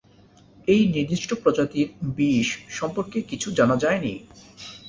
এই নির্দিষ্ট প্রজাতির বিষ সম্পর্কে কিছুই জানা যায়নি।